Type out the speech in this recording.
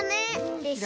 でしょ？